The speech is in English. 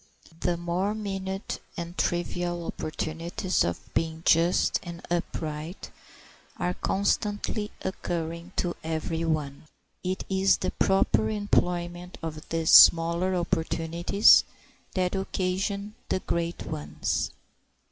The more minute and trivial opportunities of being just and upright are constantly occurring to every one. It is the proper employment of these smaller opportunities that occasion the great ones.